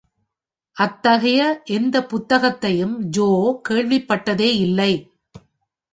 அத்தகைய எந்த புத்தகத்தையும் Jo கேள்விப்பட்டதே இல்லை.